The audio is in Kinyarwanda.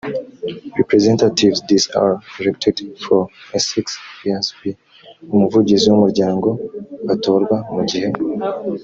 representatives these are elected for a six years b umuvugizi w umuryango batorwa mu gihe